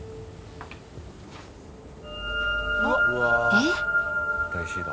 えっ？